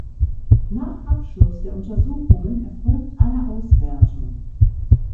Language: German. Nach Abschluss der Untersuchungen erfolgt eine Auswertung.